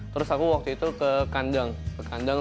terus aku waktu itu ke kandang